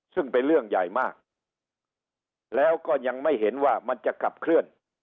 ซึ่งเป็นเรื่องใหญ่มากแล้วก็ยังไม่เห็นว่ามันจะขับเคลื่อน